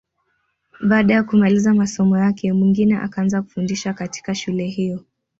Baada ya kumaliza masomo yake, Mwingine akaanza kufundisha katika shule hiyo.